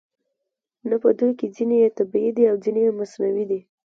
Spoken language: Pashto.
نه په دوی کې ځینې یې طبیعي دي او ځینې یې مصنوعي دي